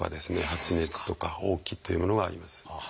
発熱とか嘔気というものがあります。